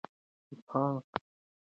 پانګه باید په مختلفو برخو کې واچول شي.